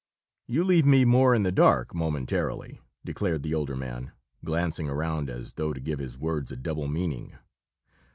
"You leave me more in the dark momentarily!" declared the older man, glancing around as though to give his words a double meaning.